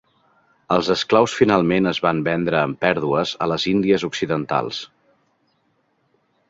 Els esclaus finalment es van vendre amb pèrdues a les Índies Occidentals.